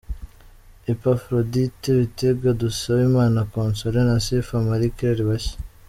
Eppaphrodite Bitega, Dusabimana Consolé, na Sifa Marie Claire bashya.